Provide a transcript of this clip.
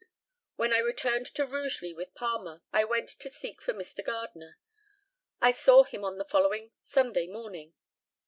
When I returned to Rugeley with Palmer, I went to seek for Mr. Gardner. I saw him on the following (Sunday) morning.